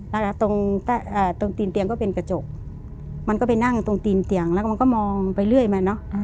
แล้วก็ตรงตีนเตียงก็เป็นกระจกมันก็ไปนั่งตรงตีนเตียงแล้วก็มันก็มองไปเรื่อยมาเนอะ